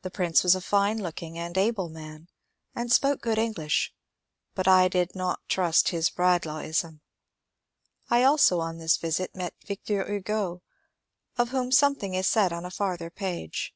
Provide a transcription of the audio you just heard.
The Prince was a fine looking and able man, and spoke good English, but I did not trust his Bradlaughism. I also on this visit met Victor Hugo, of whom something is said on a far ther page.